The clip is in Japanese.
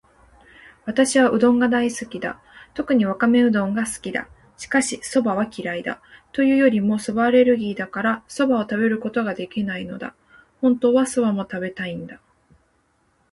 私はうどんが大好きだ。特にわかめうどんが好きだ。しかし、蕎麦は嫌いだ。というよりも蕎麦アレルギーだから、蕎麦を食べることができないのだ。本当は蕎麦も食べたいんだ。